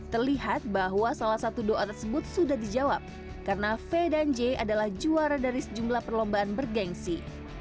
terlihat bahwa salah satu doa tersebut sudah dijawab karena v dan j adalah juara dari sejumlah perlombaan bergensi